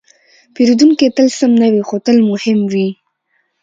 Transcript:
پیرودونکی تل سم نه وي، خو تل مهم وي.